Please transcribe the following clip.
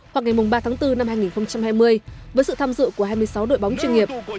hoặc ngày ba tháng bốn năm hai nghìn hai mươi với sự tham dự của hai mươi sáu đội bóng chuyên nghiệp